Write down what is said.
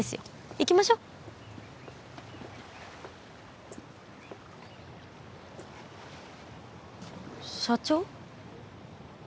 行きましょう社長？